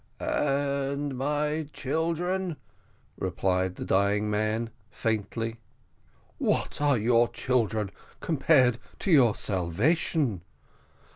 "And my children!" replied the dying man faintly. "What are your children compared to your salvation?